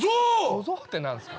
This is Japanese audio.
小僧って何すか。